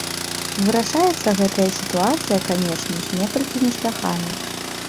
Вырашаецца гэтая сітуацыя, канешне ж, некалькімі шляхамі.